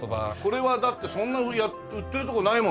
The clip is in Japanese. これはだってそんな売ってるとこないもんね。